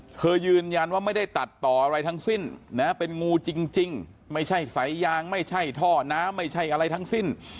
ยืนยันว่าไม่ได้ตัดต่ออะไรทั้งสิ้นนะเป็นงูจริงไม่ใช่สายยางไม่ใช่ท่อน้ำไม่ใช่อะไรทั้งสิ้น